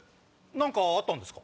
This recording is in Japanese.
何かあったんですか？